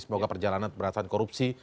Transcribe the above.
semoga perjalanan berdasarkan korupsi